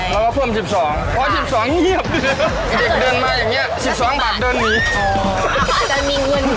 เราก็เพิ่ม๑๒